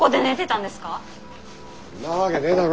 んなわけねえだろ。